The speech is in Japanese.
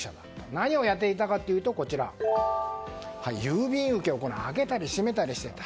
何をやっていたかというと郵便受けを開けたり閉めたりしていた。